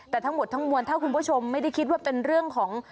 แต่ทั้งหมดทั้งมวลถ้าคุณผู้ชมไม่ได้คิดว่าเป็นเรื่องของ